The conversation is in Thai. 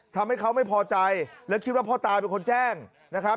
ทำให้เขาไม่พอใจและคิดว่าพ่อตาเป็นคนแจ้งนะครับ